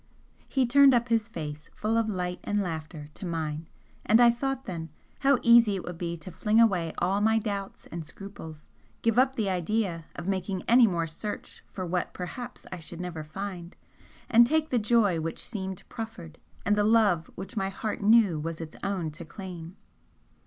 He turned up his face, full of light and laughter, to mine, and I thought then, how easy it would be to fling away all my doubts and scruples, give up the idea of making any more search for what perhaps I should never find, and take the joy which seemed proffered and the love which my heart knew was its own to claim!